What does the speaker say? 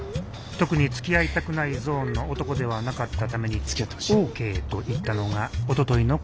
特につきあいたくないゾーンの男ではなかったためにオーケーと言ったのがおとといのこと